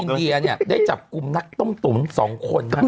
อินเดียเนี่ยได้จับกลุ่มนักต้มตุ๋ม๒คน